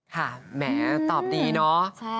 ค่ะแหมตอบดีนะ